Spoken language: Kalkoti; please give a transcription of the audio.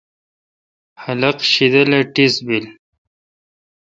خلق شیدل اے ٹیس بیل۔